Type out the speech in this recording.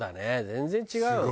全然違うよね